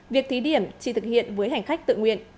việc thí điểm chỉ thực hiện với hành khách tự nguyện